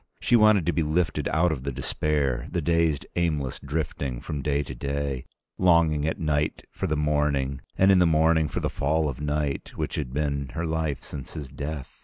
She wanted to be lifted out of the despair, the dazed aimless drifting from day to day, longing at night for the morning, and in the morning for the fall of night, which had been her life since his death.